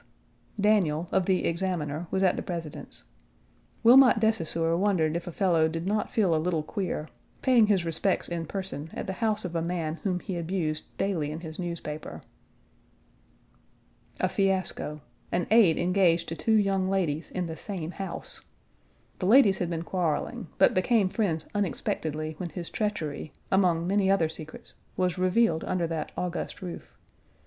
Daniel, of The Examiner, was at the President's. Wilmot de Saussure wondered if a fellow did not feel a little queer, paying his respects in person at the house of a man whom he abused daily in his newspaper. A fiasco: an aide engaged to two young ladies in the same house. The ladies had been quarreling, but became friends unexpectedly when his treachery, among many other secrets, was revealed under that august roof.